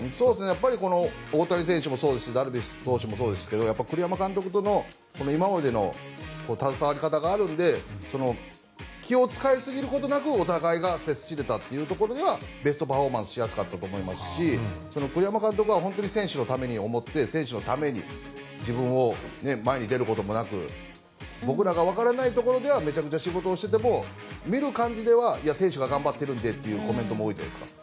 大谷選手もそうですしダルビッシュ投手もそうですが栗山監督との今までの携わり方があるので気を使いすぎることなくお互いが接せれたのはベストパフォーマンスをしやすかったと思いますし栗山監督が本当に選手のためを思って選手のために自分が前に出ることもなく僕らが分からないところではめちゃくちゃ仕事をしていても見る感じでは選手が頑張っているんでというコメントも多いじゃないですか。